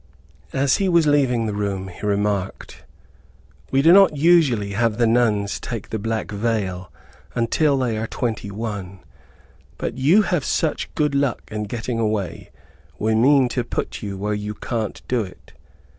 As he was leaving the room, he remarked, "We do not usually have the nuns take the black veil until they are twenty one; but you have such good luck in getting away, we mean to put you where you can't do it."